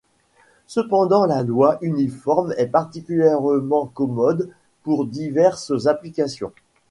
Cependant la loi uniforme est particulièrement commode pour diverses applications.